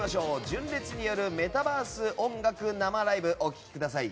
純烈によるメタバース音楽生ライブお聴きください。